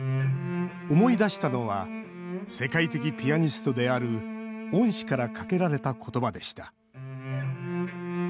思い出したのは世界的ピアニストである恩師からかけられたことばでした。